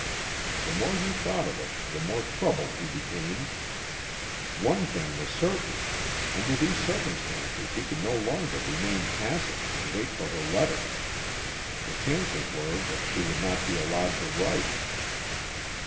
The more he thought of it, the more troubled he became. One thing was certain; under these circumstances he could no longer remain passive and wait for her letter. The chances were that she would not be allowed to write.